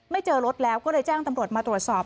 เจอรถแล้วก็เลยแจ้งตำรวจมาตรวจสอบ